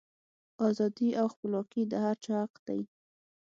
ازادي او خپلواکي د هر چا حق دی.